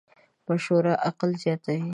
مشوره عقل زیاتوې.